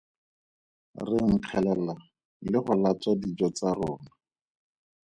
Re nkgelela le go latswa dijo tsa rona.